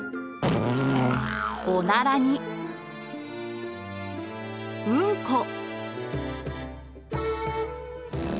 おならにうんこ。